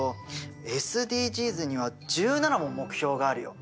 ＳＤＧｓには１７も目標があるよ。